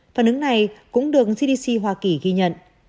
phản ứng này cũng được cdc hoa kỳ ghi nhận